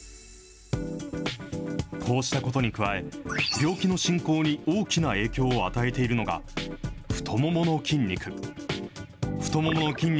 こうしたことに加え、病気の進行に大きな影響を与えているのが、太ももの筋肉。